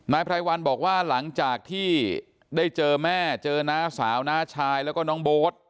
ไพรวัลบอกว่าหลังจากที่ได้เจอแม่เจอน้าสาวน้าชายแล้วก็น้องโบ๊ท